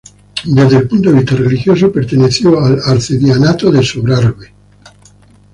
Desde el punto de vista religioso, perteneció al arcedianato de Sobrarbe.